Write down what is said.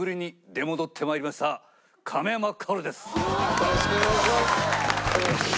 よろしくお願いします！